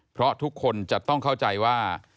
เพราะทุกคนจะต้องเข้าใจว่า